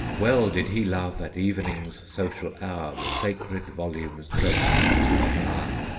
Well did he love at evening's social hour The Sacred Volume's treasure to apply.